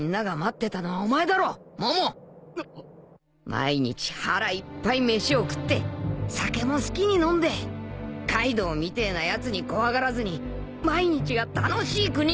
毎日腹いっぱい飯を食って酒も好きに飲んでカイドウみてえなやつに怖がらずに毎日が楽しい国にするんだろ